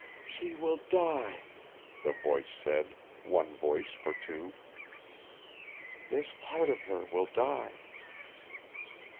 "She will die," the voice said; one voice for two. "This part of her will die."